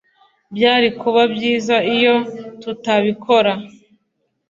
Byari kuba byiza iyo tutabikora